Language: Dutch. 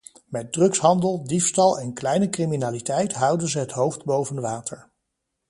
Met drugshandel, diefstal en kleine criminaliteit houden ze het hoofd boven water.